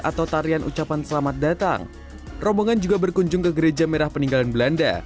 atau tarian ucapan selamat datang rombongan juga berkunjung ke gereja merah peninggalan belanda